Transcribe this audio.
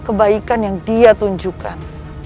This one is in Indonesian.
kebaikan yang dia tunjukkan